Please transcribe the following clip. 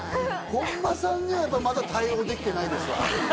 本間さんにはまだ対応できてないですわ。